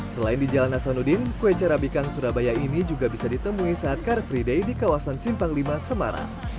selain di jalan hasanuddin kue carabikang surabaya ini juga bisa ditemui saat car free day di kawasan simpang lima semarang